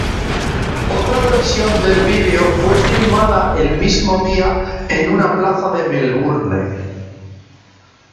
Otra versión del video fue filmada el mismo día en una plaza de Melbourne.